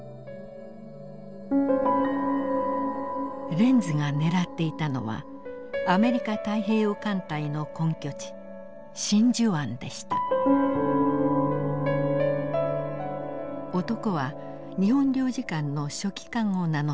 レンズが狙っていたのはアメリカ太平洋艦隊の根拠地男は日本領事館の書記官を名乗っていました。